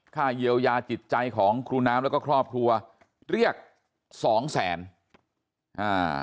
ค่าเยียวยาจิตใจของครูน้ำแล้วก็ครอบครัวเรียกสองแสนอ่า